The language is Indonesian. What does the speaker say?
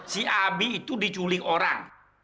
si abi itu diculik orang